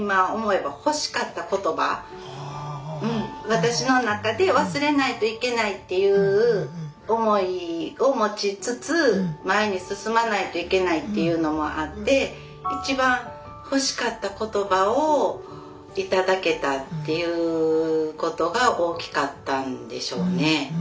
私の中で忘れないといけないっていう思いを持ちつつ前に進まないといけないっていうのもあって一番欲しかった言葉を頂けたっていうことが大きかったんでしょうね。